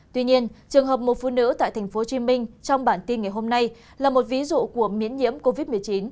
tuy nhiên trường hợp một phụ nữ tại tp hcm trong bản tin ngày hôm nay là một ví dụ của miễn nhiễm covid một mươi chín